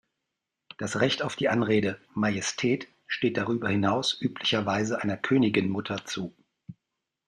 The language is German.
Das Recht auf die Anrede "Majestät" steht darüber hinaus üblicherweise einer Königinmutter zu.